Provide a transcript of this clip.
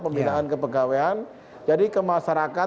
pembinaan kepegawaian jadi kemasyarakat